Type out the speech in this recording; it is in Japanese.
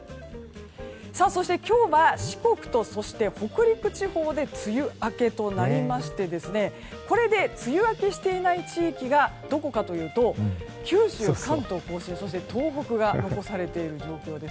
そして、今日は四国と北陸地方で梅雨明けとなりましてこれで梅雨明けしていない地域がどこかというと九州、関東・甲信そして東北が残されている状況です。